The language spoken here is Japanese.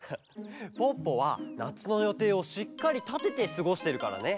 ポッポはなつのよていをしっかりたててすごしてるからね。